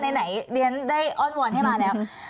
ในไหนเรียนได้อ้อนวนให้มานะครับ